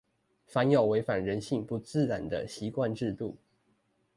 凡有違反人性不自然的習慣制度